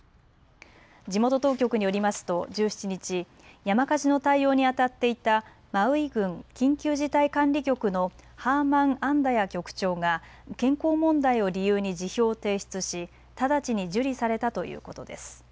地元当局によりますと１７日、山火事の対応にあたっていたマウイ郡緊急事態管理局のハーマン・アンダヤ局長が健康問題を理由に辞表を提出し直ちに受理されたということです。